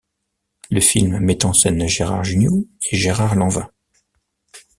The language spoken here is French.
Le film met en scène Gérard Jugnot et Gérard Lanvin.